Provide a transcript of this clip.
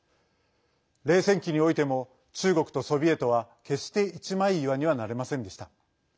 冷戦期においても中国とソビエトは決して一枚岩にはなれませんでした。